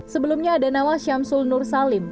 sebelumnya ada nama syamsul nur salim